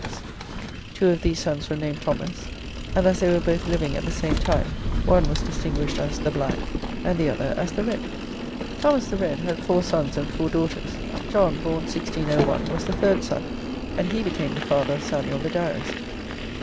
The latter William had four sons and two daughters; two of these sons were named Thomas, and as they were both living at the same time one was distinguished as "the black" and the other as "the red." Thomas the red had four sons and four daughters. John, born 1601, was the third son, and he became the father of Samuel the Diarist.